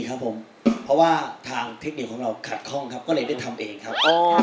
ครับผมเพราะว่าทางเทคนิคของเราขัดข้องครับก็เลยได้ทำเองครับ